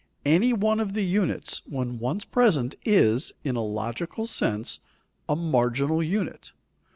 Any one of the units, when once present is, in a logical sense, a marginal unit.